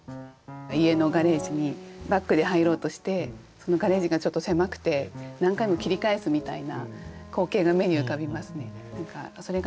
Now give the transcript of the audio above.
家のガレージにバックで入ろうとしてそのガレージがちょっと狭くて何回も切り返すみたいな光景が目に浮かびますね。